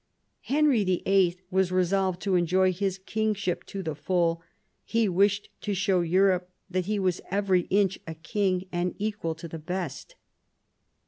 Henry VEIL was resolved to enjoy his kingship to the full; he wished to show Europe that he was every inch a king, and equal to the best.